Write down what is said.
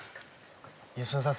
佳乃さん。